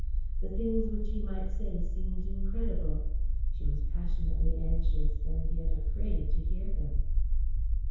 The things which he might say seemed incredible. She was passionately anxious and yet afraid to hear them.